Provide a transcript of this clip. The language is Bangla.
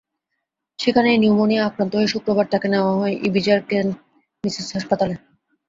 সেখানেই নিউমোনিয়ায় আক্রান্ত হলে শুক্রবার তাঁকে নেওয়া হয় ইবিজার ক্যান মিসেস হাসপাতালে।